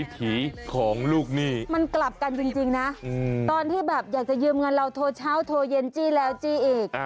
ตอนอยากจะยืมเงินเราโทรเช้าโทรเย็นจี้แล้วจี้อีก